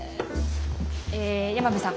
え山辺さん